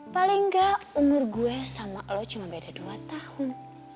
paling nggak umur gue sama lo cuma beda dua tahun